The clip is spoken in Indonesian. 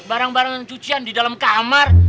barang barang cucian di dalam kamar